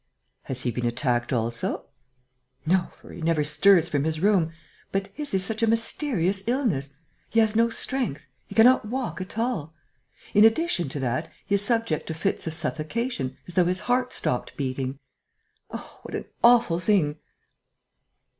"Has he been attacked also?" "No, for he never stirs from his room. But his is such a mysterious illness!... He has no strength ... he cannot walk at all.... In addition to that, he is subject to fits of suffocation, as though his heart stopped beating.... Oh, what an awful thing!"